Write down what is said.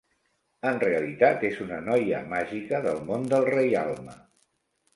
En realitat és una noia màgica del món del reialme.